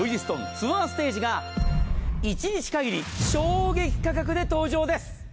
ツアーステージが１日限り衝撃価格で登場です。